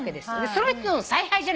その人の采配じゃない。